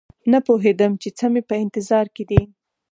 نه پوهېدم چې څه مې په انتظار کې دي